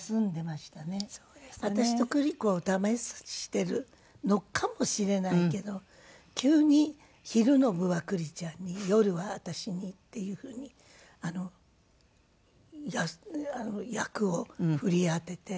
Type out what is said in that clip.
私と久里子を試してるのかもしれないけど急に昼の部は久里ちゃんに夜は私にっていう風にあの役を振り当てて。